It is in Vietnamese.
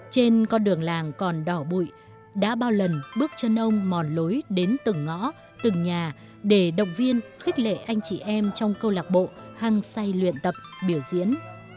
trên con đường làng còn đỏ bụi đã bao lần bước chân ông mòn lối đến từng ngõ từng nhà để động viên khích lệ anh chị em trong câu lạc bộ hăng say luyện tập biểu diễn